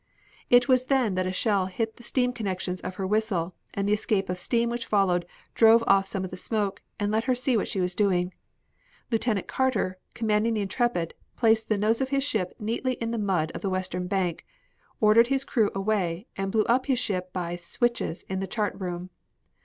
"It was then that a shell hit the steam connections of her whistle and the escape of steam which followed drove off some of the smoke, and let her see what she was doing. Lieutenant Carter, commanding the Intrepid, placed the nose of his ship neatly on the mud of the western bank, ordered his crew away, and blew up his ship by switches in the chart room.